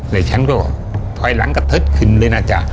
แล้วฉันก็ถอยหลังกระเทิดขึ้นเลยนะจ๊ะ